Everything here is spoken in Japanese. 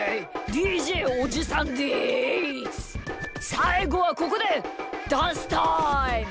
さいごはここでダンスタイム！